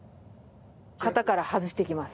型から外していきます。